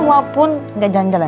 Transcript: walaupun nggak jalan jalan